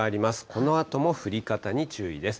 このあとも降り方に注意です。